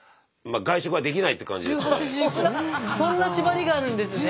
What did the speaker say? そんな縛りがあるんですね。